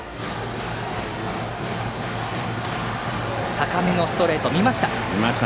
高めのストレート、見ました。